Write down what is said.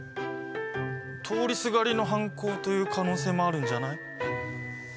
通りすがりの犯行という可能性もあるんじゃない？